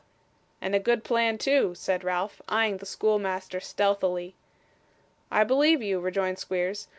'And a good plan too,' said Ralph, eyeing the schoolmaster stealthily. 'I believe you,' rejoined Squeers.